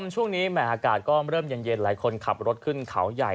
ช่วงนี้แหม่อากาศก็เริ่มเย็นหลายคนขับรถขึ้นเขาใหญ่